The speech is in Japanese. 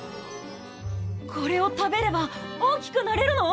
これを食べれば大きくなれるの？